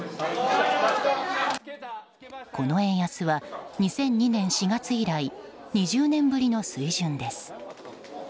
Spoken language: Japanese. この円安は２００２年４月以来２０年ぶりの水準です。